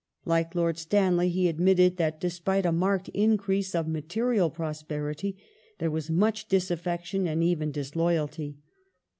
Like Lord Stanley he admitted that, despite a marked increase of material prosperity, there was " much disaffection and even disloyalty